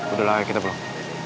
udah lah kita pulang